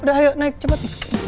udah ayo naik cepet